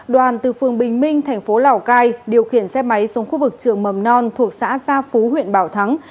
đoàn từ phường bình minh thành phố lào cai điều khiển xe máy xuống khu vực trường mầm non thuộc xã gia phú huyện bảo thắng